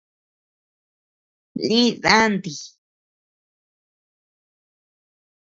Lï danti.